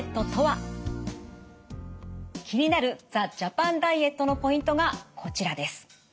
気になるザ・ジャパン・ダイエットのポイントがこちらです。